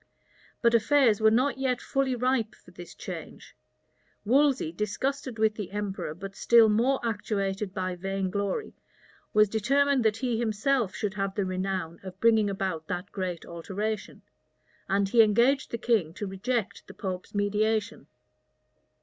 But affairs were not yet fully ripe for this change. Wolsey, disgusted with the emperor, but still more actuated by vain glory, was determined that he himself should have the renown of bringing about that great alteration; and he engaged the king to reject the pope's mediation.